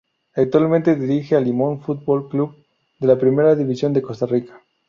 Actualmente dirige a Limón Fútbol Club, de la Primera División de Costa Rica.